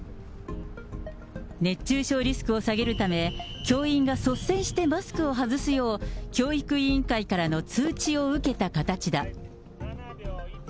熱中症リスクを下げるため、教員が率先してマスクを外すよう、教育委員会からの通知を受けた形だ。